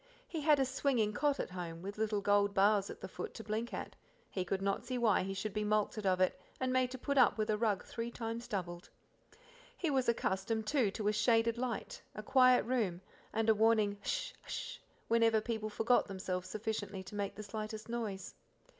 He had a swinging cot at home; with little gold bars at the foot to blink at he could not see why he should be mulcted of it, and made to put up with a rug three times doubled. He was accustomed, too, to a shaded light, a quiet room, and a warning H'sh! h'sh! whenever people forgot themselves sufficiently to make the slightest noise.